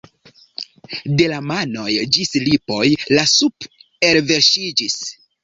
De la manoj ĝis lipoj la sup' elverŝiĝis.